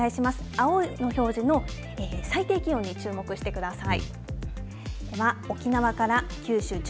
青の表示の最低気温に注目してください。